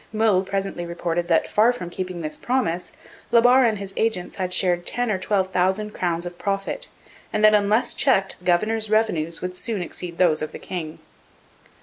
Meulles presently reported that, far from keeping this promise, La Barre and his agents had shared ten or twelve thousand crowns of profit, and that unless checked the governor's revenues would soon exceed those of the king.